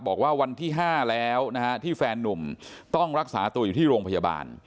วันที่๕แล้วนะฮะที่แฟนนุ่มต้องรักษาตัวอยู่ที่โรงพยาบาล